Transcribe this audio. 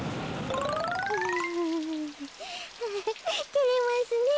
てれますねえ。